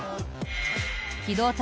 機動隊